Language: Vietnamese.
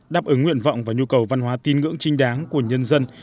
đáp ứng nguyện vọng và nhu cầu văn hóa tin ngưỡng trinh đáng của nhân dân